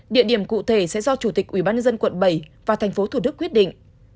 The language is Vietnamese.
địa điểm cụ thể sẽ do chủ tịch ubnd quận bảy và tp thd quyết định